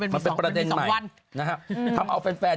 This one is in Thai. เขาเป็นประเทศใหม่นะครับธรรมไอ้สิ่งที่ซอบหวังครับที่มี๒วัน